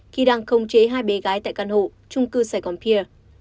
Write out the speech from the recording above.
nhật vi đã đưa hai cháu bé về căn hộ chung cư saigon pier